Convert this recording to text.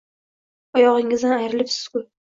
Oyog‘ingizdan ayrilibsiz-ku!